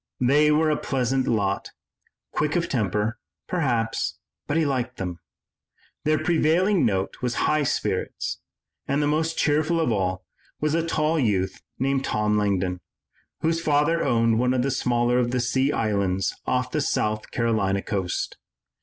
They were a pleasant lot, quick of temper, perhaps, but he liked them. Their prevailing note was high spirits, and the most cheerful of all was a tall youth named Tom Langdon, whose father owned one of the smaller of the sea islands off the South Carolina coast.